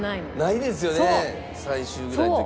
ないですよね最終ぐらいの時。